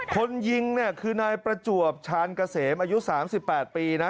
คนยิงเนี่ยคือนายประจวบชาญเกษมอายุ๓๘ปีนะ